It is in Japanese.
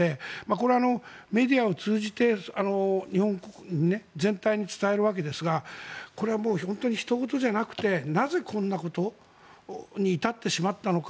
これはメディアを通じて日本全体に伝えるわけですがこれはもう、本当にひと事ではなくてなぜこんなことに至ってしまったのか。